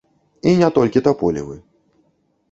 І не толькі таполевы.